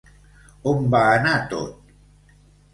On va anar tot?